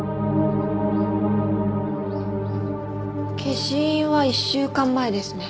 消印は１週間前ですね。